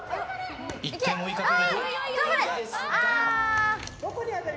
１点を追いかける。